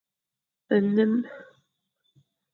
Nnem.